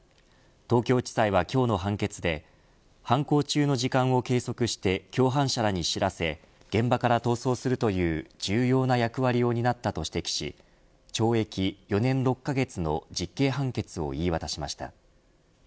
東京地裁は今日の判決で犯行中の時間を計測して共犯者らに知らせ現場から逃走するという重要な役割を担ったと指摘し懲役４年６カ月の実刑判決を言い渡しました。